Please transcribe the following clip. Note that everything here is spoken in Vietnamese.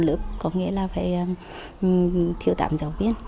lớp có nghĩa là phải thiếu tạm giáo viên